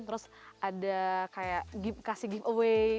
terus ada kayak kasih giveaway